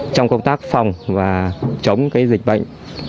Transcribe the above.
trong công tác phòng và chống dịch bệnh